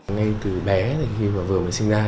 ngay từ bé thì vừa mới sinh ra